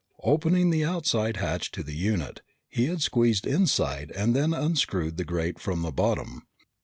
Opening the outside hatch to the unit, he had squeezed inside and then unscrewed the grate from the bottom.